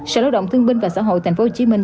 sở lao động thương minh và xã hội thành phố hồ chí minh